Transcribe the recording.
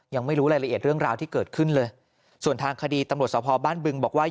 ยังไม่รู้รายละเอียดเรื่องราวที่เกิดขึ้นเลยส่วนทางคดีตำรวจสภบ้านบึงบอกว่า